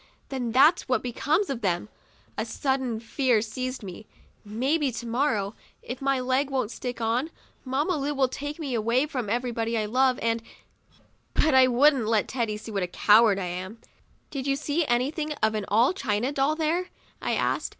Then that's what becomes of them." A sudden fear seized me. Maybe, to morrow, if my leg won't stick on, Mamma Lu will take me away from everybody I love and — But I wouldn't let Teddy see what a coward I am. 'Did you see anything of an all china doll there?" I asked.